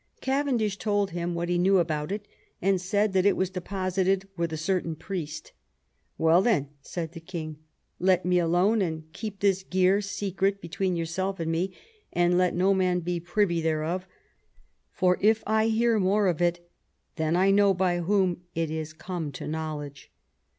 Cavendish told him what he knew about it, and said that it was deposited with a certain priest "Well, then," said the king, "let me alone, and keep this gear secret between yourself and me, and let no man be privy thereof ; for if I hear more of it, then I know by whom it is come to knowledge.